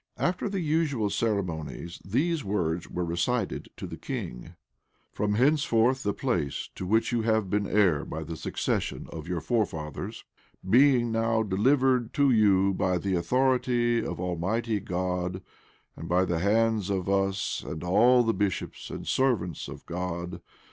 After the usual ceremonies, these words were recited to the king: "Stand and hold fast, from henceforth the place to which you have been heir by the succession of your forefathers, being now delivered to you by the authority of Almighty God, and by the hands of us and all the bishops and servants of God.